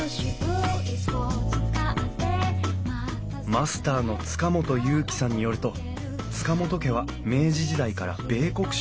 マスターの塚本勇喜さんによると塚本家は明治時代から米穀商を営んでいた。